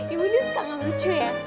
ibu ini suka nggak lucu ya